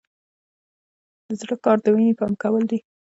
د زړه کار د وینې پمپ کول دي